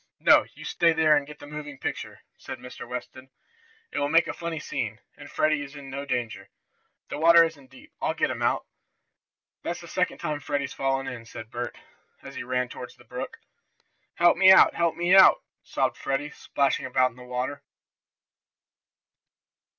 "No, you stay there and get the moving picture," said Mr. Watson. "It will make a funny scene, and Freddie is in no danger. The water isn't deep! I'll get him out!" "That's the second time Freddie's fallen in," said Bert, as he ran toward the brook. "Help me out! Help me out!" sobbed Freddie, splashing about in the water.